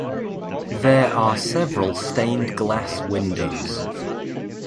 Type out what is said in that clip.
There are several stained glass windows.